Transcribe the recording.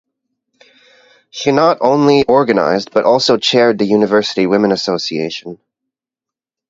She not only organized but also chaired the University Women Association.